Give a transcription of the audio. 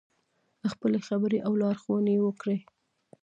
خپلې خبرې او لارښوونې یې وکړې.